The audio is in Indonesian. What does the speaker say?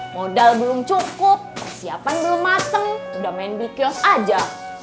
modal belum cukup persiapan belum mateng udah main bikios aja